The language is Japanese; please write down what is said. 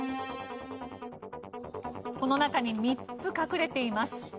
この中に３つ隠れています。